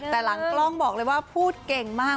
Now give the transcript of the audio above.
แต่หลังกล้องบอกเลยว่าพูดเก่งมาก